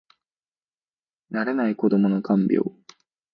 慣れない子どもの看病